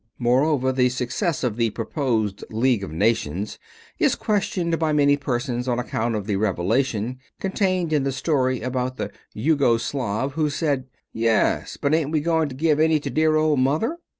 Moreover, the success of the proposed league of nations is questioned by many persons on account of the revelation contained in the story about the Jugo Slav who said, "Yes, but ain't we going to give any to dear old mother?"